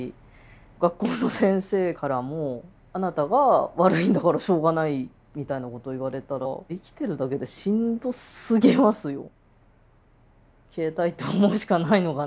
学校の先生からもあなたが悪いんだからしょうがないみたいなことを言われたら生きてるだけでしんどすぎますよ。